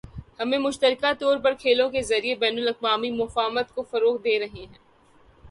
ہم مشترکہ طور پر کھیلوں کے ذریعے بین الاقوامی مفاہمت کو فروغ دے رہے ہیں